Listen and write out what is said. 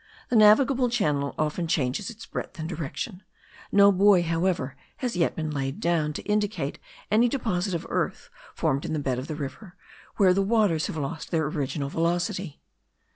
The navigable channel often changes its breadth and direction; no buoy, however, has yet been laid down, to indicate any deposit of earth formed in the bed of the river, where the waters have lost their original velocity.